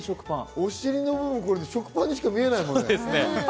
お尻の部分、食パンにしか見えないね。